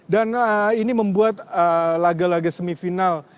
dan ini membuat laga laga semifinal